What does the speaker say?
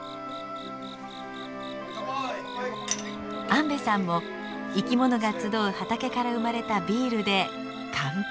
安部さんも生きものが集う畑から生まれたビールで乾杯。